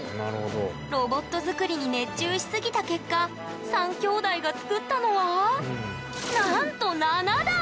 ロボット作りに熱中しすぎた結果３兄弟が作ったのはなんと７台！